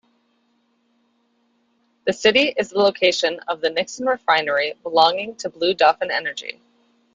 The city is the location of the Nixon Refinery belonging to Blue Dolphin Energy.